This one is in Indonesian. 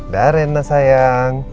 dadah rena sayang